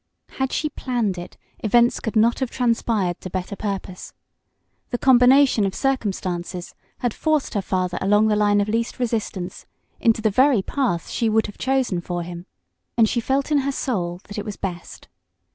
Had she planned it, events could not have transpired to better purpose. The combination of circumstances had forced her father along the line of least resistance into the very path she would had chosen for him, and she felt in her soul that it was best.